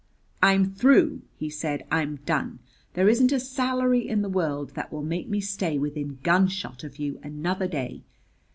"I'm through!" he said. "I'm done! There isn't a salary in the world that will make me stay within gunshot of you another day."